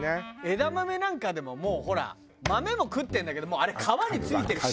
枝豆なんかでももうほら豆も食ってんだけどもうあれ。